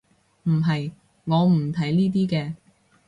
唔係，我唔睇呢啲嘅